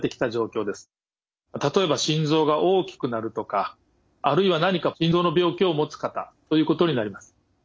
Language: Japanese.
例えば心臓が大きくなるとかあるいは何か心臓の病気を持つ方ということになります。